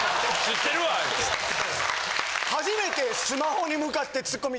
初めてスマホに向かってツッコミ。